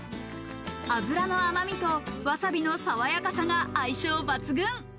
脂の甘みと、わさびの爽やかさが相性抜群。